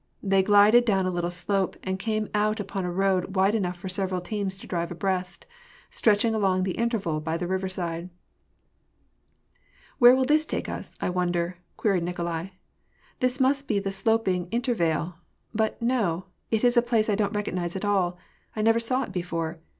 They glided down a little slope, and came out upon a road wide enough for several teams to drive abreast^ stretching along the intervale by the river side. "Where will this take us, I wonder?" queried Nikolai. "This must be the sloping intervale. But no, it is a place I don't recognize at all ! I never saw it before